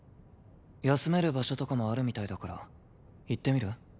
休める場所とかもあるみたいだから行ってみる？